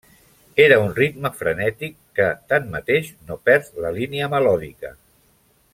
Era un ritme frenètic que, tanmateix, no perd la línia melòdica.